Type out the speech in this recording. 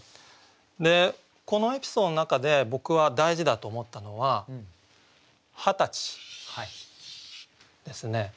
このエピソードの中で僕は大事だと思ったのは「二十歳」ですね。